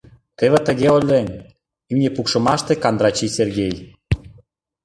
Теве тыге ойлен имне пукшымаште Кандрачий Сергей...